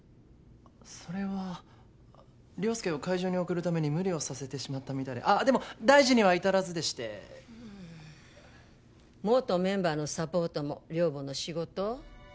それは良介を会場に送るために無理をさせてしまったみたいであでも大事には至らずでして元メンバーのサポートも寮母の仕事？